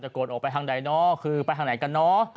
โกนออกไปทางใดเนาะคือไปทางไหนกันเนอะ